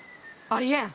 ありえん！